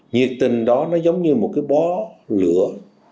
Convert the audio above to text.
nhiệt tình đó nó giống như một cái bó lửa